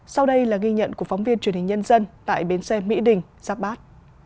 sau đây là ghi nhận của phóng viên truyền hình nhân dân tại bến xe mỹ đình giáp bát